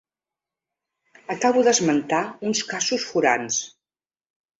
Acabo d’esmentar uns casos forans.